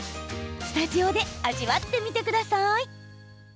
スタジオで味わってみてください。